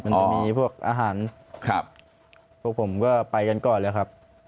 มันจะมีพวกอาหารครับพวกผมก็ไปกันก่อนเลยครับ